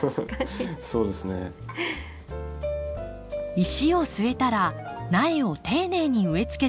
石を据えたら苗を丁寧に植え付けていきます。